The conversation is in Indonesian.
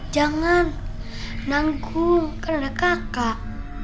jangan nanggung kan ada kakak